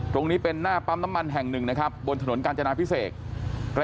ตรงนี้เป็นหน้าปั๊มน้ำมันแห่งหนึ่งนะครับบนถนนกาญจนาพิเศษ